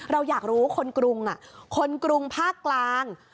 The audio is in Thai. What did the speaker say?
เราอยากรู้คนกรุงคนกรุงภาคกลาง